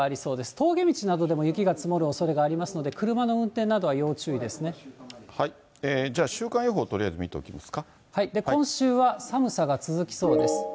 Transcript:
峠道などでも雪が積もるおそれがありますので、車の運転などは要じゃあ、週間予報、今週は寒さが続きそうです。